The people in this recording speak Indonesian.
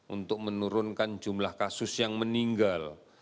untuk menurunkan jumlah kasus yang meninggal